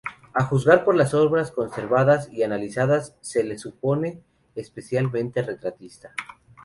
A juzgar por las obras conservadas y analizadas, se le supone especialmente retratista.